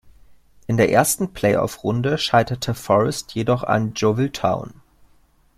In der ersten Play-Off-Runde scheiterte Forest jedoch an Yeovil Town.